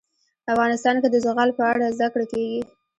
افغانستان کې د زغال په اړه زده کړه کېږي.